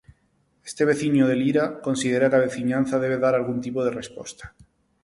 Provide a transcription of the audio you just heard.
Este veciño de Lira considera que a veciñanza debe dar algún tipo de resposta.